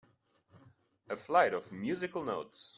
A flight of musical notes.